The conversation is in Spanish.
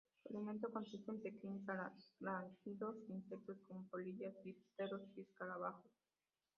Su alimento consiste en pequeños arácnidos e insectos, como polillas, dípteros y escarabajos.